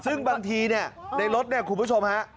ซึ่งบางทีเนี่ยในรถเนี่ยคุณผู้ชมฮะ